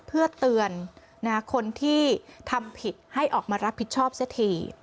เพื่อเตือนคนที่ทำผิดให้ออกมารับผิดชอบเสียที